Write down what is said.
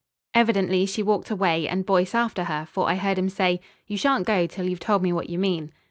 Evidently she walked away and Boyce after her, for I heard him say: "You shan't go till you've told me what you mean."